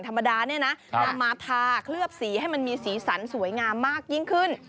ธรรมดาเนี่ยนะนำมาทาเคลือบสีให้มันมีสีสันสวยงามมากยิ่งขึ้น